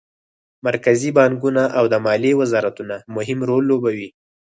مرکزي بانکونه او د مالیې وزارتونه مهم رول لوبوي